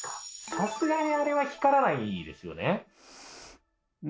さすがにあれは光らないですよね？